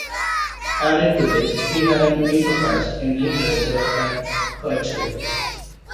Added to this, he had an interest in literature and poetry.